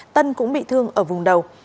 tân cũng bị thương ở vùng đầu